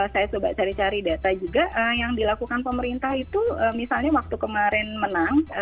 saya coba cari cari data juga yang dilakukan pemerintah itu misalnya waktu kemarin menang